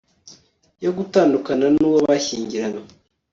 yo gutandukana n'uwo bashyingiranywe